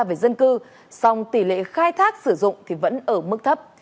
với dân cư xong tỷ lệ khai thác sử dụng thì vẫn ở mức thấp